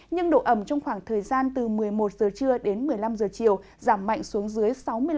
nhưng độ ẩm trong khoảng thời gian từ một mươi một giờ trưa đến một mươi năm h chiều giảm mạnh xuống dưới sáu mươi năm